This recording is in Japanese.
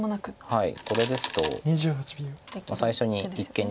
はい。